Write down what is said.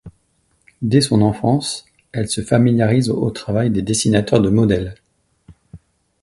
Dès son enfance, elle se familiarise au travail des dessinateurs de modèles.